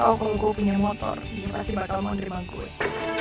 catherine harus tau kalo gue punya motor dia pasti bakal menerima gue